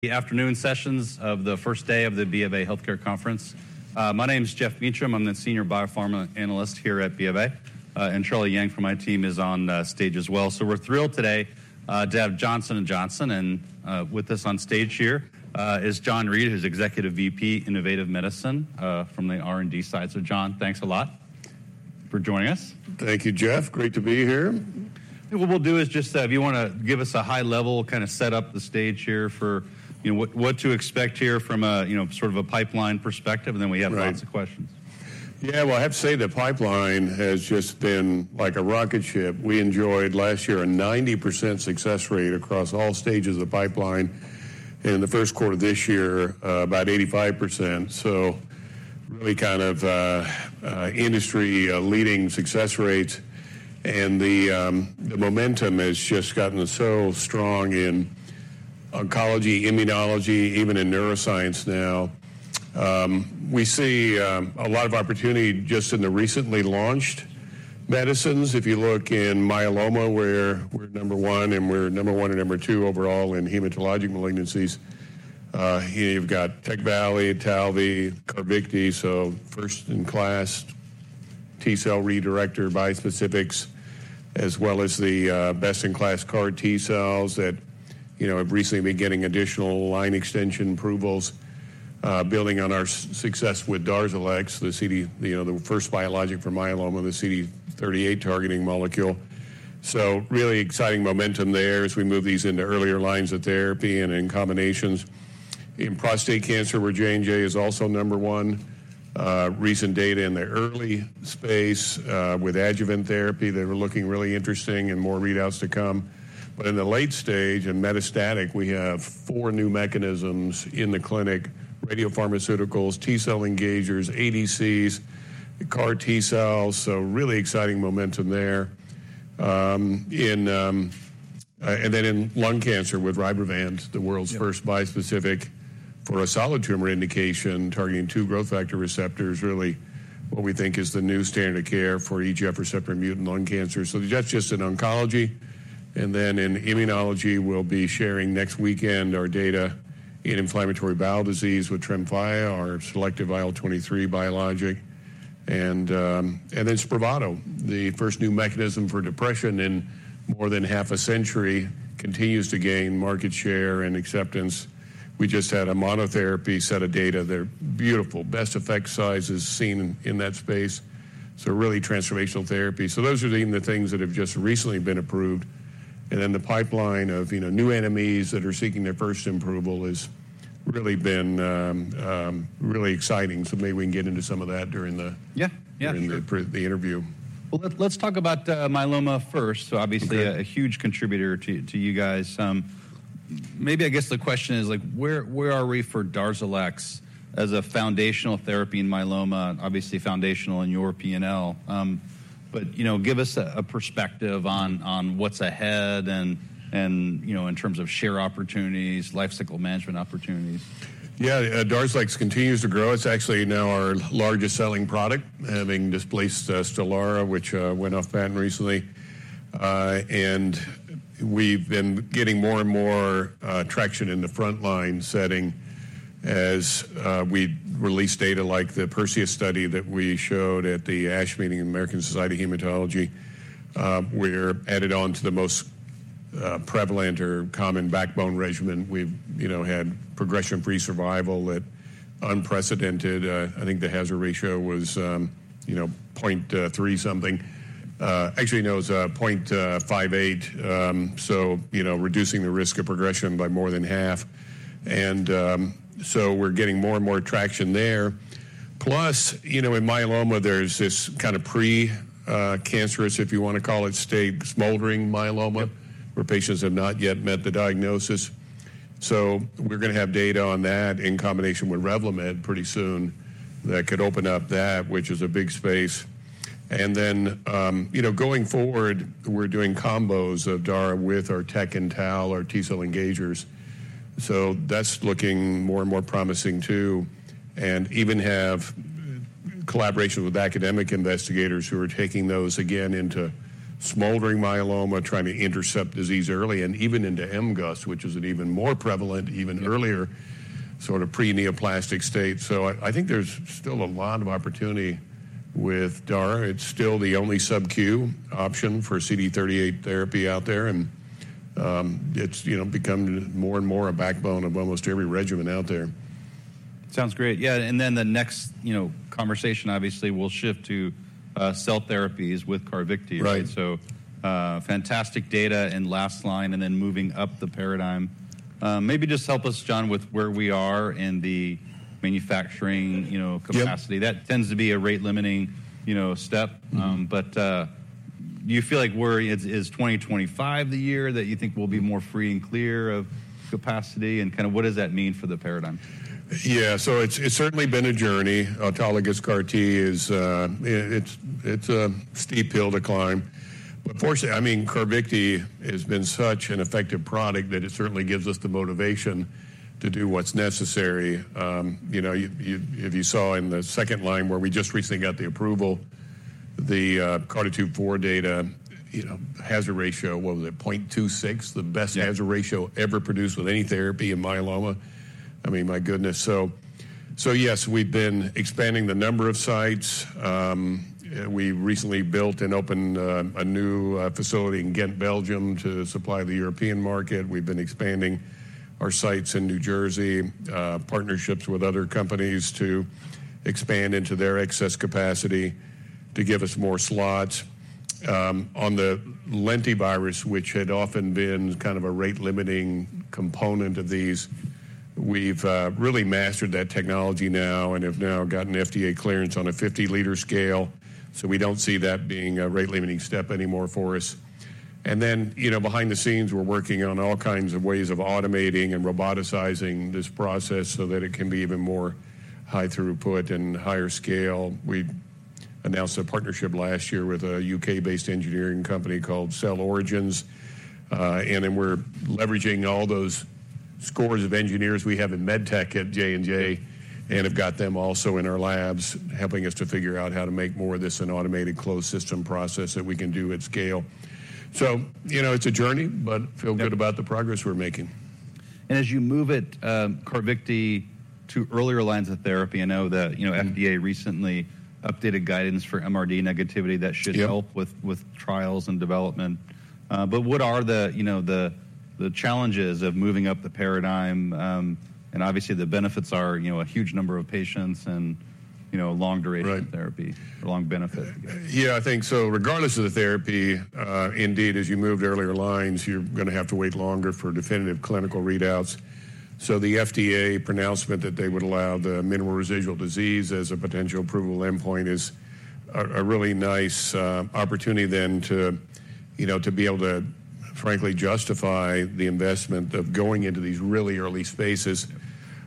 The afternoon sessions of the first day of the BofA Health Care Conference. My name is Geoff Meacham. I'm the senior biopharma analyst here at BofA, and Charlie Yang from my team is on stage as well. So we're thrilled today to have Johnson & Johnson, and with us on stage here is John Reed, who's Executive VP, Innovative Medicine, from the R&D side. So John, thanks a lot for joining us. Thank you, Geoff. Great to be here. What we'll do is just, if you wanna give us a high level, kind of set up the stage here for, you know, what, what to expect here from a, you know, sort of a pipeline perspective, and then we have- Right Lots of questions. Yeah. Well, I have to say, the pipeline has just been like a rocket ship. We enjoyed last year a 90% success rate across all stages of the pipeline, and in the first quarter this year, about 85%. So really kind of industry leading success rates, and the the momentum has just gotten so strong in oncology, immunology, even in neuroscience now. We see a lot of opportunity just in the recently launched medicines. If you look in myeloma, where we're number one, and we're number one and number two overall in hematologic malignancies, you've got TECVAYLI, TALVEY, CARVYKTI, so first-in-class T-cell redirector bispecifics, as well as the best-in-class CAR-T cells that, you know, have recently been getting additional line extension approvals, building on our success with DARZALEX, the CD... You know, the first biologic for myeloma, the CD38 targeting molecule. So really exciting momentum there as we move these into earlier lines of therapy and in combinations. In prostate cancer, where J&J is also number one, recent data in the early space, with adjuvant therapy, they were looking really interesting and more readouts to come. But in the late stage, in metastatic, we have four new mechanisms in the clinic: radiopharmaceuticals, T-cell engagers, ADCs, CAR-T cells, so really exciting momentum there. And then in lung cancer with RYBREVANT, the world's- Yeah first bispecific for a solid tumor indication, targeting two growth factor receptors, really what we think is the new standard of care for EGFR receptor mutant lung cancer. So that's just in oncology, and then in immunology, we'll be sharing next weekend our data in inflammatory bowel disease with TREMFYA, our selective IL-23 biologic. And, and then SPRAVATO, the first new mechanism for depression in more than half a century, continues to gain market share and acceptance. We just had a monotherapy set of data. They're beautiful. Best effect sizes seen in that space, so really transformational therapy. So those are even the things that have just recently been approved. And then the pipeline of, you know, new modalities that are seeking their first approval has really been, really exciting. So maybe we can get into some of that during the- Yeah. Yeah during the interview. Well, let's talk about myeloma first. Okay. So obviously, a huge contributor to you guys. Maybe I guess the question is, like, where are we for DARZALEX as a foundational therapy in myeloma, obviously foundational in your P&L? But you know, give us a perspective on what's ahead and, you know, in terms of share opportunities, lifecycle management opportunities. Yeah, DARZALEX continues to grow. It's actually now our largest-selling product, having displaced, STELARA, which, went off patent recently. And we've been getting more and more, traction in the front-line setting as, we release data like the PERSEUS study that we showed at the ASH Meeting in the American Society of Hematology. We're added on to the most, prevalent or common backbone regimen. We've, you know, had progression-free survival at unprecedented. I think the hazard ratio was, you know, 0.3 something. Actually, no, it was 0.58. So, you know, reducing the risk of progression by more than half. And, so we're getting more and more traction there. Plus, you know, in myeloma, there's this kind of pre, cancerous, if you want to call it, state, smoldering myeloma- Yep where patients have not yet met the diagnosis. So we're going to have data on that in combination with REVLIMID pretty soon. That could open up that, which is a big space. And then, you know, going forward, we're doing combos of DARZALEX with our TECVAYLI and TALVEY, our T-cell engagers, so that's looking more and more promising too. And even have collaborations with academic investigators who are taking those again into smoldering myeloma, trying to intercept disease early and even into MGUS, which is an even more prevalent, even earlier- Yep sort of pre-neoplastic state. So I think there's still a lot of opportunity with Dar. It's still the only sub-Q option for CD38 therapy out there, and it's, you know, become more and more a backbone of almost every regimen out there. Sounds great. Yeah, and then the next, you know, conversation obviously will shift to cell therapies with CARVYKTI. Right. So, fantastic data in last line and then moving up the paradigm. Maybe just help us, John, with where we are in the manufacturing, you know, capacity. Yep. That tends to be a rate-limiting, you know, step. Mm-hmm. Is 2025 the year that you think we'll be more free and clear of capacity, and kind of what does that mean for the paradigm? Yeah. So it's certainly been a journey. Autologous CAR-T is, it's a steep hill to climb. But fortunately, I mean, CARVYKTI has been such an effective product that it certainly gives us the motivation to do what's necessary. You know, you if you saw in the second line, where we just recently got the approval. The CARTITUDE-4 data, you know, hazard ratio, what was it? 0.26, the best- Yeah - hazard ratio ever produced with any therapy in myeloma. I mean, my goodness! So yes, we've been expanding the number of sites. We recently built and opened a new facility in Ghent, Belgium, to supply the European market. We've been expanding our sites in New Jersey, partnerships with other companies to expand into their excess capacity to give us more slots. On the lentivirus, which had often been kind of a rate-limiting component of these, we've really mastered that technology now and have now gotten FDA clearance on a 50-liter scale. So we don't see that being a rate-limiting step anymore for us. And then, you know, behind the scenes, we're working on all kinds of ways of automating and roboticizing this process so that it can be even more high throughput and higher scale. We announced a partnership last year with a U.K.-based engineering company called Cellular Origins. And then we're leveraging all those scores of engineers we have in MedTech at J&J, and have got them also in our labs, helping us to figure out how to make more of this an automated closed system process that we can do at scale. So, you know, it's a journey, but- Yeah feel good about the progress we're making. As you move it, CARVYKTI, to earlier lines of therapy, I know that, you know- Mm-hmm. FDA recently updated guidance for MRD negativity that should- Yeah help with trials and development. But what are the, you know, the challenges of moving up the paradigm, and obviously, the benefits are, you know, a huge number of patients and, you know, long duration- Right - therapy or long benefit. Yeah, I think so. Regardless of the therapy, indeed, as you move to earlier lines, you're gonna have to wait longer for definitive clinical readouts. So the FDA pronouncement that they would allow the minimal residual disease as a potential approval endpoint is a really nice opportunity then to, you know, to be able to, frankly, justify the investment of going into these really early spaces.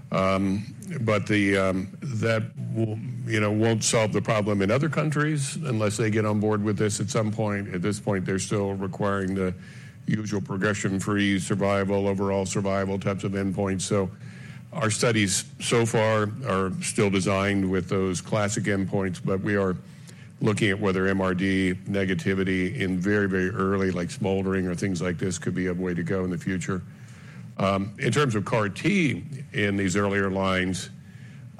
But that will, you know, won't solve the problem in other countries unless they get on board with this at some point. At this point, they're still requiring the usual progression-free survival, overall survival types of endpoints. So our studies so far are still designed with those classic endpoints, but we are looking at whether MRD negativity in very, very early, like smoldering or things like this, could be a way to go in the future. In terms of CAR-T in these earlier lines,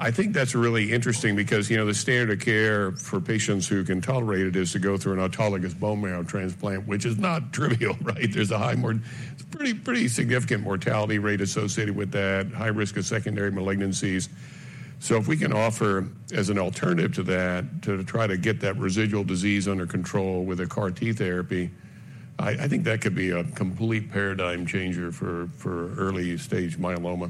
I think that's really interesting because, you know, the standard of care for patients who can tolerate it is to go through an autologous bone marrow transplant, which is not trivial, right? There's a high, pretty, pretty significant mortality rate associated with that, high risk of secondary malignancies. So if we can offer as an alternative to that, to try to get that residual disease under control with a CAR-T therapy, I think that could be a complete paradigm changer for early-stage myeloma.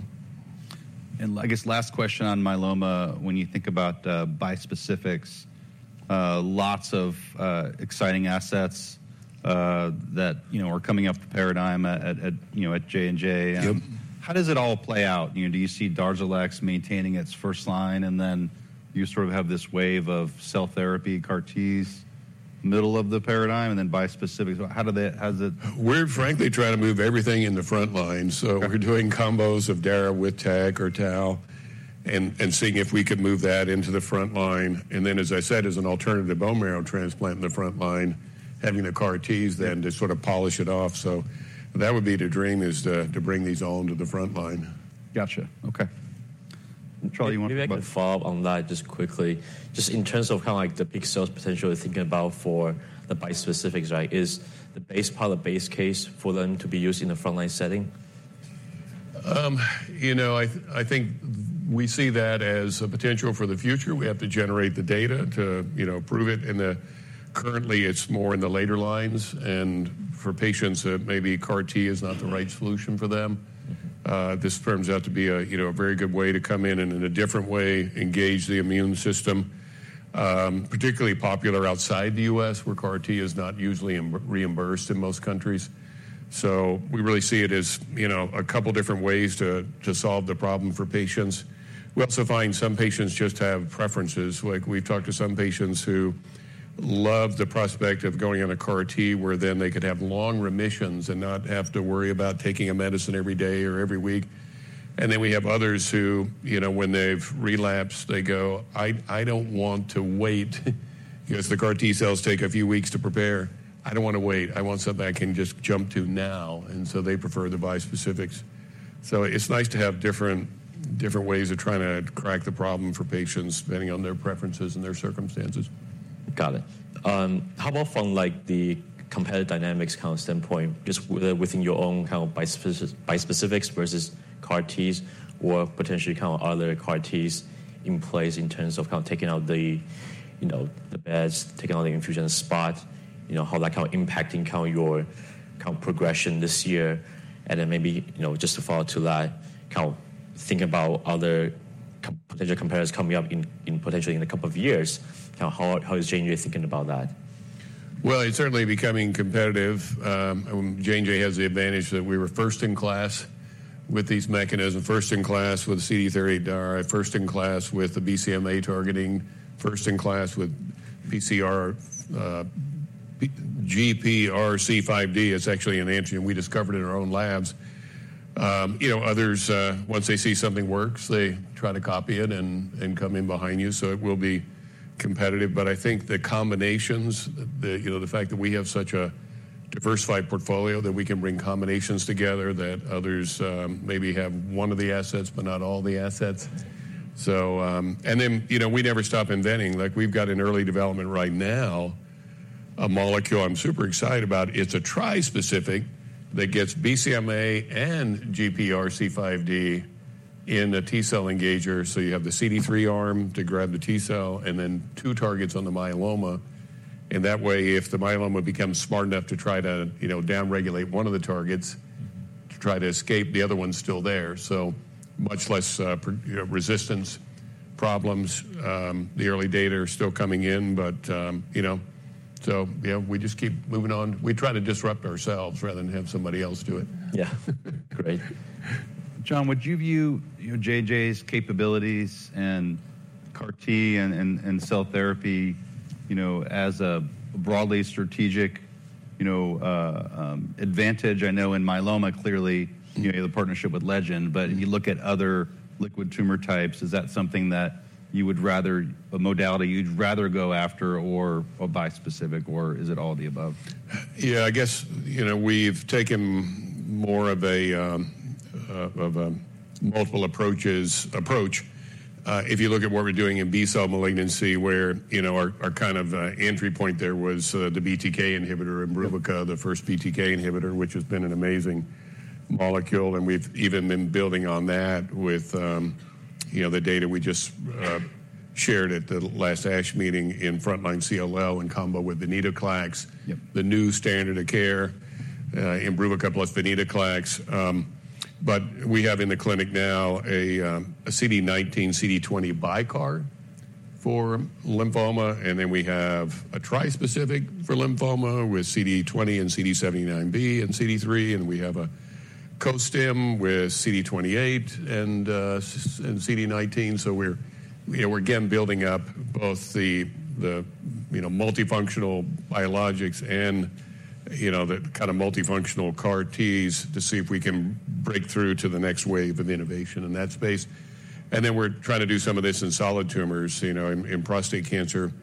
I guess last question on myeloma. When you think about bispecifics, lots of exciting assets that, you know, are coming up the paradigm at J&J. Yep. How does it all play out? You know, do you see DARZALEX maintaining its first line, and then you sort of have this wave of cell therapy, CAR-Ts, middle of the paradigm, and then bispecific? How do they-- How does it- We're frankly trying to move everything in the front line. Okay. So we're doing combos of Dara with Tec or Tal, and seeing if we could move that into the front line. Then, as I said, as an alternative to bone marrow transplant in the front line, having the CAR-Ts then to sort of polish it off. So that would be the dream, is to bring these all into the front line. Gotcha. Okay. Charlie, you want? May I follow up on that just quickly? Just in terms of how, like, the big cells potentially thinking about for the bispecifics, right? Is the base pilot, base case for them to be used in a front-line setting? You know, I think we see that as a potential for the future. We have to generate the data to, you know, prove it. Currently, it's more in the later lines. And for patients that maybe CAR-T is not the right solution for them, this turns out to be a, you know, a very good way to come in and, in a different way, engage the immune system. Particularly popular outside the U.S., where CAR-T is not usually reimbursed in most countries. So we really see it as, you know, a couple different ways to solve the problem for patients. We also find some patients just have preferences. Like, we've talked to some patients who love the prospect of going on a CAR-T, where then they could have long remissions and not have to worry about taking a medicine every day or every week. And then we have others who, you know, when they've relapsed, they go: "I, I don't want to wait because the CAR-T cells take a few weeks to prepare. I don't wanna wait. I want something I can just jump to now." And so they prefer the bispecifics. So it's nice to have different, different ways of trying to crack the problem for patients, depending on their preferences and their circumstances. Got it. How about from, like, the competitive dynamics kind of standpoint, just within your own kind of bispecif- bispecifics versus CAR-Ts or potentially kind of other CAR-Ts in place in terms of kind of taking out the, you know, the best, taking out the infusion spot? You know, how, like, how impacting, how your, kind, progression this year, and then maybe, you know, just to follow to that, kind of think about other potential competitors coming up in, in potentially in a couple of years. Now, how, how is J&J thinking about that? Well, it's certainly becoming competitive. J&J has the advantage that we were first in class with these mechanisms, first in class with CD38 Darzalex, first in class with the BCMA targeting, first in class with GPRC5D, which is actually an antigen we discovered in our own labs. You know, others, once they see something works, they try to copy it and come in behind you, so it will be competitive. But I think the combinations, the, you know, the fact that we have such a diversified portfolio, that we can bring combinations together, that others, maybe have one of the assets, but not all the assets. So, and then, you know, we never stop inventing. Like, we've got an early development right now, a molecule I'm super excited about. It's a trispecific that gets BCMA and GPRC5D in a T-cell engager. So you have the CD3 arm to grab the T cell, and then two targets on the myeloma. And that way, if the myeloma becomes smart enough to try to, you know, downregulate one of the targets to try to escape, the other one's still there, so much less, you know, resistance problems. The early data are still coming in, but, you know. So, yeah, we just keep moving on. We try to disrupt ourselves rather than have somebody else do it. Yeah. Great. John, would you view, you know, JJ's capabilities and CAR-T and cell therapy, you know, as a broadly strategic, you know, advantage? I know in myeloma, clearly, you know, the partnership with Legend, but you look at other liquid tumor types, is that something that you would rather—a modality you'd rather go after or a bispecific, or is it all of the above? Yeah, I guess, you know, we've taken more of a multiple approaches approach. If you look at what we're doing in B-cell malignancy, where, you know, our kind of entry point there was the BTK inhibitor, IMBRUVICA, the first BTK inhibitor, which has been an amazing molecule, and we've even been building on that with, you know, the data we just shared at the last ASH meeting in frontline CLL in combo with venetoclax. Yep. The new standard of care, IMBRUVICA plus venetoclax. But we have in the clinic now, a CD19, CD20 Bi-CAR for lymphoma, and then we have a tri-specific for lymphoma, with CD20 and CD79b and CD3, and we have a co-stim with CD28 and CD19. So we're, you know, we're again, building up both the, you know, multifunctional biologics and, you know, the kind of multifunctional CAR-Ts to see if we can break through to the next wave of innovation in that space. And then, we're trying to do some of this in solid tumors. You know, in prostate cancer,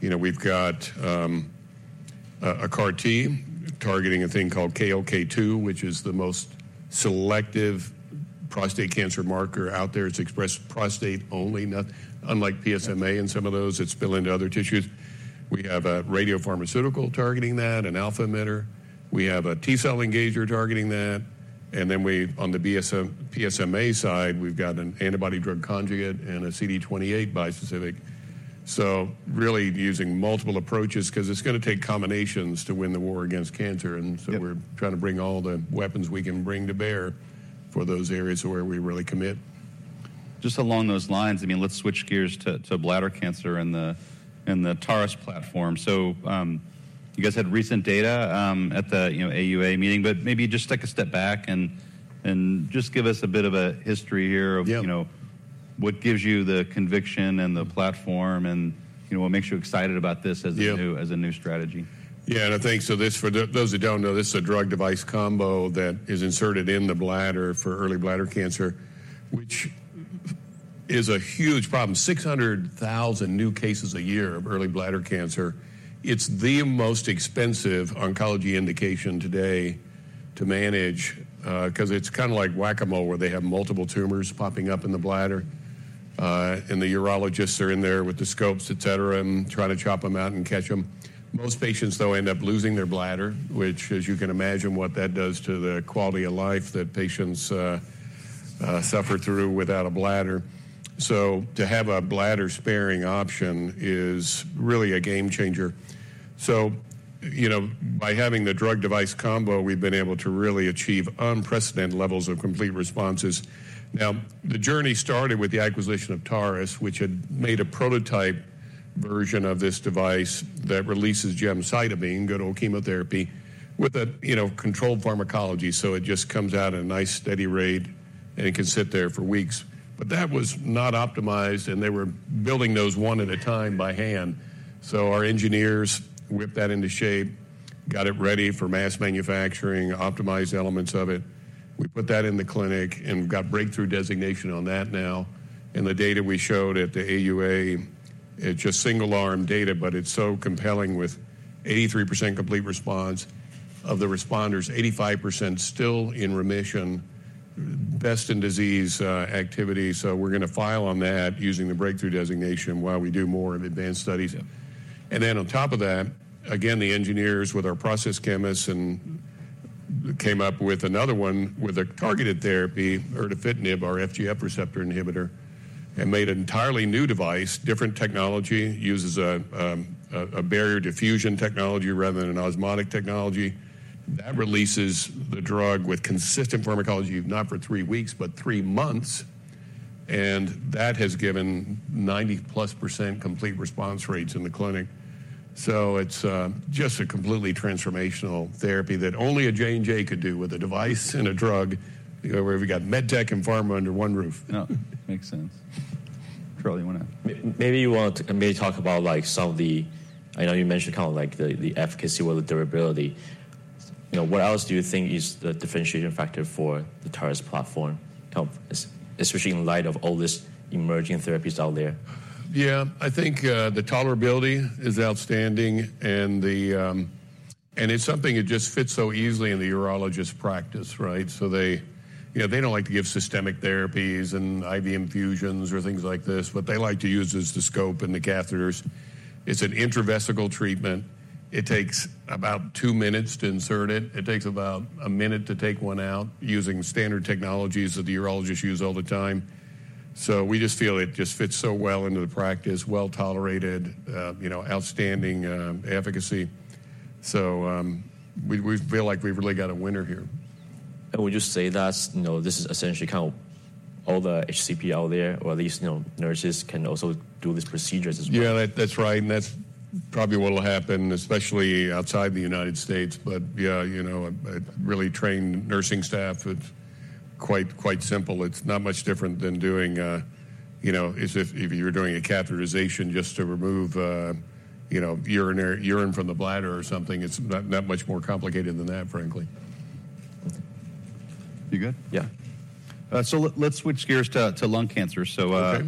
you know, we've got, a CAR-T targeting a thing called KLK2, which is the most selective prostate cancer marker out there. It's expressed prostate only, not, unlike PSMA and some of those, it spill into other tissues. We have a radiopharmaceutical targeting that, an alpha emitter. We have a T-cell engager targeting that, and then we, on the bispecific PSMA side, we've got an antibody-drug conjugate and a CD28 bispecific. So really using multiple approaches, 'cause it's gonna take combinations to win the war against cancer, and- Yep so we're trying to bring all the weapons we can bring to bear for those areas where we really commit. Just along those lines, I mean, let's switch gears to bladder cancer and the TARIS platform. So, you guys had recent data at the, you know, AUA meeting, but maybe just take a step back and just give us a bit of a history here of- Yep you know, what gives you the conviction and the platform and, you know, what makes you excited about this Yep as a new strategy? Yeah, and I think, so this, for those who don't know, this is a drug device combo that is inserted in the bladder for early bladder cancer, which is a huge problem. 600,000 new cases a year of early bladder cancer. It's the most expensive oncology indication today to manage, 'cause it's kind of like whack-a-mole, where they have multiple tumors popping up in the bladder, and the urologists are in there with the scopes, et cetera, and try to chop them out and catch them. Most patients, though, end up losing their bladder, which, as you can imagine, what that does to the quality of life that patients suffer through without a bladder. So to have a bladder-sparing option is really a game changer. So, you know, by having the drug device combo, we've been able to really achieve unprecedented levels of complete responses. Now, the journey started with the acquisition of TARIS, which had made a prototype version of this device that releases gemcitabine, good old chemotherapy, with a, you know, controlled pharmacology, so it just comes out at a nice, steady rate, and it can sit there for weeks. But that was not optimized, and they were building those one at a time by hand. So our engineers whipped that into shape, got it ready for mass manufacturing, optimized elements of it. We put that in the clinic, and we've got breakthrough designation on that now. And the data we showed at the AUA, it's just single-arm data, but it's so compelling, with 83% complete response. Of the responders, 85% still in remission, best in disease, activity. So we're gonna file on that using the breakthrough designation while we do more advanced studies. And then on top of that, again, the engineers with our process chemists and came up with another one with a targeted therapy, erdafitinib, our FGFR receptor inhibitor, and made an entirely new device, different technology. Uses a barrier diffusion technology rather than an osmotic technology. That releases the drug with consistent pharmacology, not for three weeks, but three months, and that has given 90%+ complete response rates in the clinic. So it's just a completely transformational therapy that only a J&J could do with a device and a drug, where we got MedTech and pharma under one roof. Yep, makes sense. Charlie, you want to? Maybe you want to maybe talk about like some of the. I know you mentioned kind of like the efficacy or the durability. You know, what else do you think is the differentiating factor for the TARIS platform? Kind of especially in light of all this emerging therapies out there. Yeah, I think the tolerability is outstanding, and it's something that just fits so easily in the urologist practice, right? So they, you know, they don't like to give systemic therapies and IV infusions or things like this, but they like to use the scope and the catheters. It's an intravesical treatment. It takes about two minutes to insert it. It takes about one minute to take one out using standard technologies that the urologists use all the time. So we just feel it just fits so well into the practice, well-tolerated, you know, outstanding efficacy. So we feel like we've really got a winner here. Would you say that, you know, this is essentially kind of all the HCP out there, or at least, you know, nurses can also do these procedures as well? Yeah, that's right, and that's probably what will happen, especially outside the United States. But yeah, you know, a really trained nursing staff, it's quite simple. It's not much different than doing, you know, as if you're doing a catheterization just to remove, you know, urinary urine from the bladder or something. It's not that much more complicated than that, frankly. You good? Yeah. So let's switch gears to lung cancer. Okay.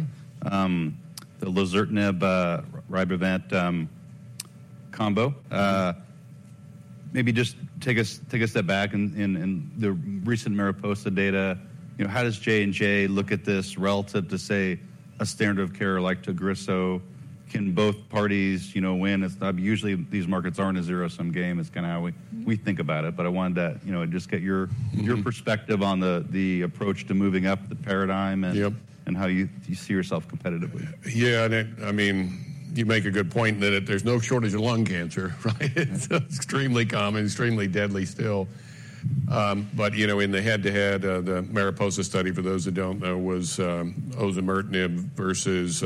The lazertinib, RYBREVANT combo. Maybe just take a step back in the recent MARIPOSA data, you know, how does J&J look at this relative to, say, a standard of care, like TAGRISSO? Can both parties, you know, win? It's not. Usually, these markets aren't a zero-sum game. It's kind of how we think about it, but I wanted to, you know, just get your- Mm-hmm. - your perspective on the approach to moving up the paradigm and- Yep and how you, you see yourself competitively. Yeah, and I mean, you make a good point that there's no shortage of lung cancer, right? It's extremely common, extremely deadly still. But you know, in the head-to-head, the MARIPOSA study, for those who don't know, was osimertinib versus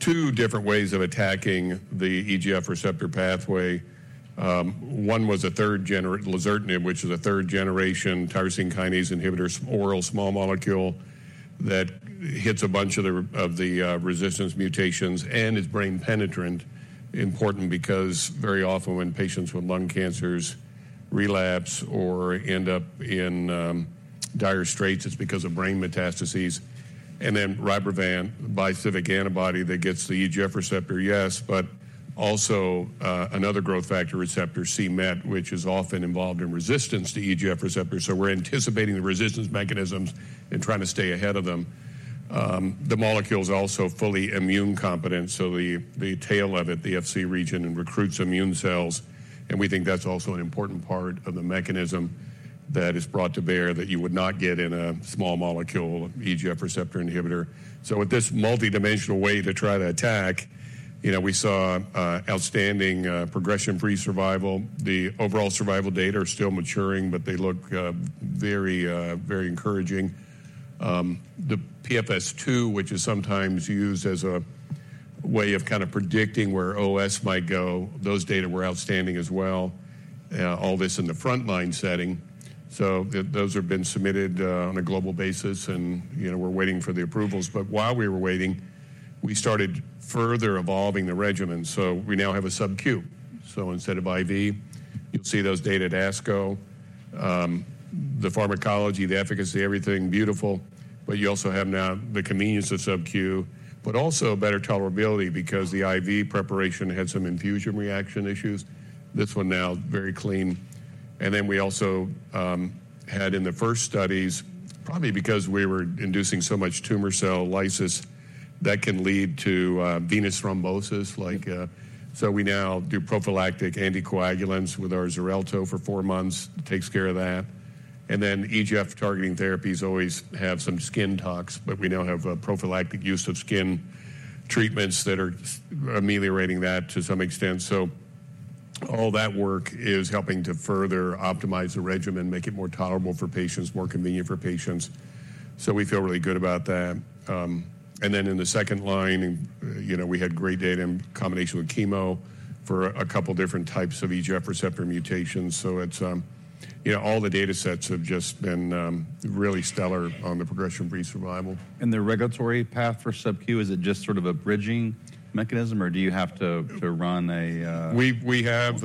two different ways of attacking the EGF receptor pathway. One was a third-generation lazertinib, which is a third-generation tyrosine kinase inhibitor, oral small molecule that hits a bunch of the resistance mutations and is brain penetrant. Important because very often when patients with lung cancers relapse or end up in dire straits, it's because of brain metastases. And then RYBREVANT, a bispecific antibody that gets the EGF receptor, yes, but also another growth factor receptor, c-Met, which is often involved in resistance to EGF receptors. So we're anticipating the resistance mechanisms and trying to stay ahead of them. The molecule is also fully immune competent, so the, the tail of it, the Fc region, recruits immune cells, and we think that's also an important part of the mechanism that is brought to bear that you would not get in a small molecule, EGF receptor inhibitor. So with this multidimensional way to try to attack, you know, we saw outstanding progression-free survival. The overall survival data are still maturing, but they look very very encouraging. The PFS2, which is sometimes used as a way of kind of predicting where OS might go, those data were outstanding as well. All this in the front line setting. So those have been submitted on a global basis, and, you know, we're waiting for the approvals. But while we were waiting, we started further evolving the regimen, so we now have a sub-Q. So instead of IV, you'll see those data at ASCO. The pharmacology, the efficacy, everything beautiful, but you also have now the convenience of sub-Q, but also better tolerability because the IV preparation had some infusion reaction issues. This one now, very clean. And then we also had in the first studies, probably because we were inducing so much tumor cell lysis, that can lead to venous thrombosis, like. So we now do prophylactic anticoagulants with our XARELTO for four months. Takes care of that. And then EGF targeting therapies always have some skin tox, but we now have a prophylactic use of skin treatments that are ameliorating that to some extent. So all that work is helping to further optimize the regimen, make it more tolerable for patients, more convenient for patients. So we feel really good about that. And then in the second line, you know, we had great data in combination with chemo for a couple different types of EGF receptor mutations. So it's, you know, all the data sets have just been really stellar on the progression-free survival. The regulatory path for sub-Q, is it just sort of a bridging mechanism, or do you have to run a? We have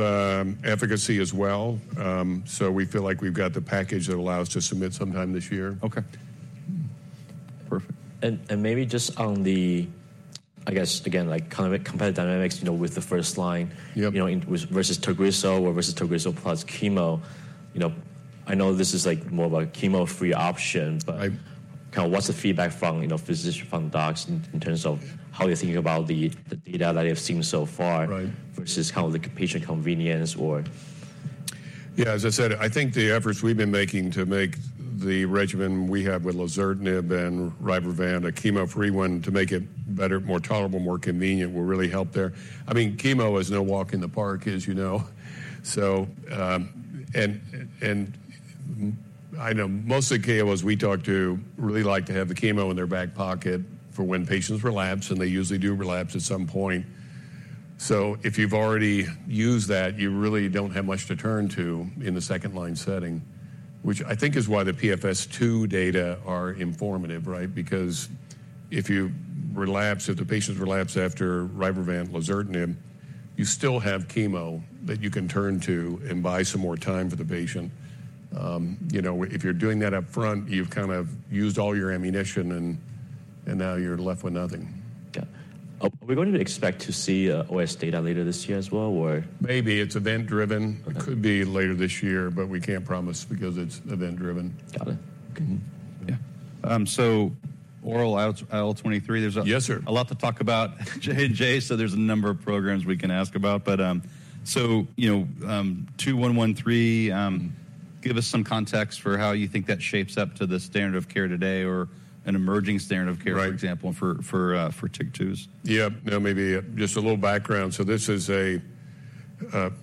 efficacy as well. So we feel like we've got the package that allows us to submit sometime this year. Okay. Perfect. And maybe just on the, I guess, again, like, kind of competitive dynamics, you know, with the first line- Yep You know, versus TAGRISSO or versus TAGRISSO plus chemo. You know, I know this is, like, more of a chemo-free option But kind of what's the feedback from, you know, physician, from docs in terms of how they're thinking about the, the data that they have seen so far? Right versus kind of the patient convenience or? Yeah, as I said, I think the efforts we've been making to make the regimen we have with lazertinib and RYBREVANT, a chemo-free one, to make it better, more tolerable, more convenient, will really help there. I mean, chemo is no walk in the park, as you know. So, I know most of the oncologists we talk to really like to have the chemo in their back pocket for when patients relapse, and they usually do relapse at some point. So if you've already used that, you really don't have much to turn to in the second-line setting, which I think is why the PFS2 data are informative, right? Because if you relapse, if the patient's relapse after RYBREVANT lazertinib, you still have chemo that you can turn to and buy some more time for the patient. You know, if you're doing that up front, you've kind of used all your ammunition and now you're left with nothing. Got it. Are we going to expect to see OS data later this year as well, or? Maybe. It's event-driven. Okay. It could be later this year, but we can't promise because it's event-driven. Got it. Mm-hmm. Yeah. So oral IL-23, there's a- Yes, sir. A lot to talk about J&J, so there's a number of programs we can ask about. But, so, you know, 2113, give us some context for how you think that shapes up to the standard of care today or an emerging standard of care? Right For example, for TYK2s. Yeah. You know, maybe just a little background. So this is a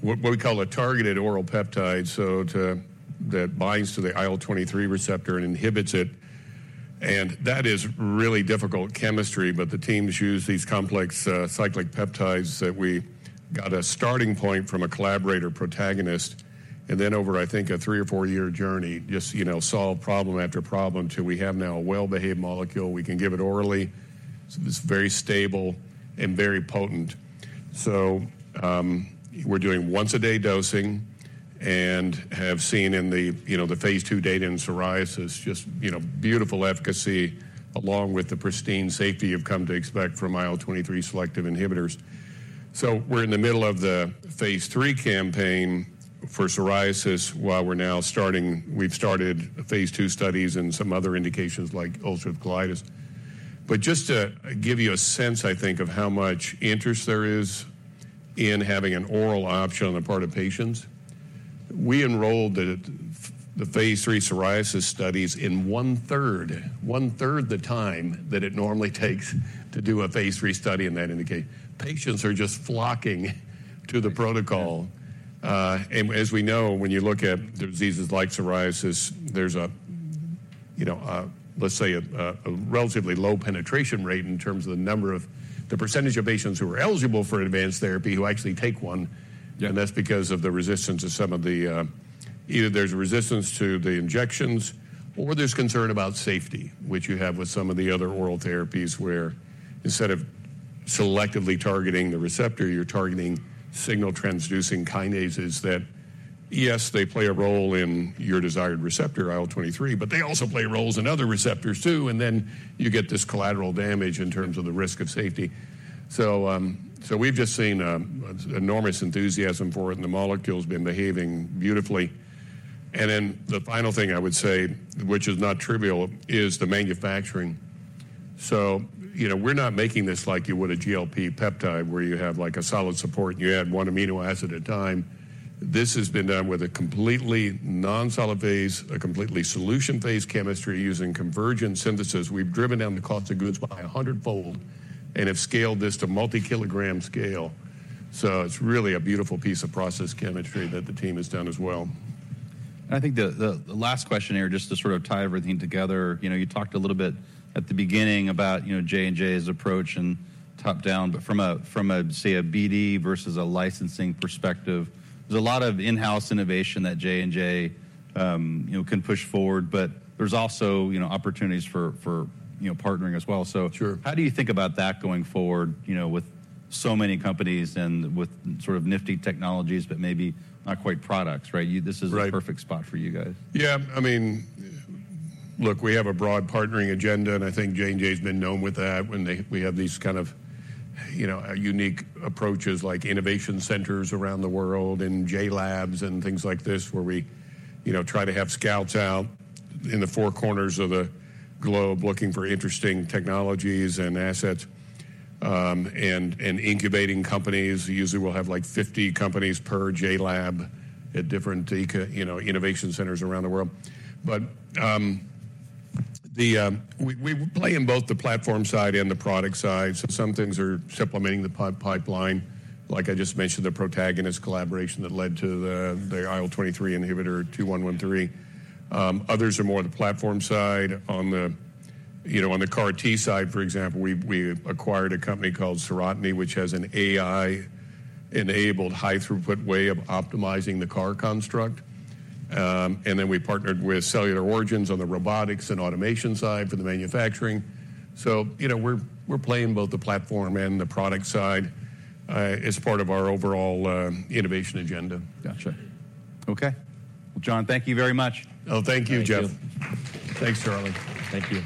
what we call a targeted oral peptide, so to that binds to the IL-23 receptor and inhibits it. And that is really difficult chemistry, but the teams use these complex cyclic peptides that we got a starting point from a collaborator, Protagonist, and then over, I think, a three or four-year journey, just, you know, solve problem after problem till we have now a well-behaved molecule. We can give it orally. So it's very stable and very potent. So we're doing once-a-day dosing and have seen in the, you know, the phase two data in psoriasis just, you know, beautiful efficacy, along with the pristine safety you've come to expect from IL-23 selective inhibitors. So we're in the middle of the phase three campaign for psoriasis, while we're now starting, ,we've started phase two studies and some other indications like ulcerative colitis. But just to give you a sense, I think, of how much interest there is in having an oral option on the part of patients, we enrolled the phase three psoriasis studies in one-third the time that it normally takes to do a phase III study in that indication. Patients are just flocking to the protocol. And as we know, when you look at diseases like psoriasis, there's a- Mm-hmm you know, let's say, a relatively low penetration rate in terms of the percentage of patients who are eligible for advanced therapy, who actually take one. Yeah. And that's because of the resistance of some of the. Either there's a resistance to the injections or there's concern about safety, which you have with some of the other oral therapies, where instead of selectively targeting the receptor, you're targeting signal transducing kinases, that, yes, they play a role in your desired receptor, IL-23, but they also play roles in other receptors, too, and then you get this collateral damage in terms of the risk of safety. So, so we've just seen enormous enthusiasm for it, and the molecule's been behaving beautifully. And then the final thing I would say, which is not trivial, is the manufacturing. So, you know, we're not making this like you would a GLP peptide, where you have, like, a solid support, and you add one amino acid at a time. This has been done with a completely non-solid phase, a completely solution phase chemistry using convergent synthesis. We've driven down the cost of goods by 100-fold and have scaled this to multi-kilogram scale. It's really a beautiful piece of process chemistry that the team has done as well. I think the last question here, just to sort of tie everything together, you know, you talked a little bit at the beginning about, you know, J&J's approach and top-down, but from a, say, a BD versus a licensing perspective, there's a lot of in-house innovation that J&J, you know, can push forward, but there's also, you know, opportunities for, you know, partnering as well. So- Sure. How do you think about that going forward, you know, with so many companies and with sort of nifty technologies, but maybe not quite products, right? Right. This is a perfect spot for you guys. Yeah. I mean, look, we have a broad partnering agenda, and I think J&J's been known with that, when they we have these kind of, you know, unique approaches, like innovation centers around the world and JLABS and things like this, where we, you know, try to have scouts out in the four corners of the globe, looking for interesting technologies and assets, and incubating companies. Usually, we'll have, like, 50 companies per JLAB at different eco you know, innovation centers around the world. But we play in both the platform side and the product side. So some things are supplementing the pod pipeline. Like I just mentioned, the Protagonist collaboration that led to the IL-23 inhibitor, 2113. Others are more the platform side. On the, you know, on the CAR-T side, for example, we acquired a company called Serotiny, which has an AI-enabled, high-throughput way of optimizing the CAR construct. And then we partnered with Cellular Origins on the robotics and automation side for the manufacturing. So, you know, we're playing both the platform and the product side, as part of our overall innovation agenda. Gotcha. Okay. Well, John, thank you very much. Oh, thank you, Geoff. Thanks, Charlie. Thank you.